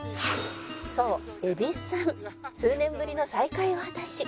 「そう蛭子さん」「数年ぶりの再会を果たし」